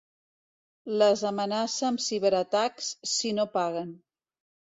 Les amenaça amb ciberatacs si no paguen.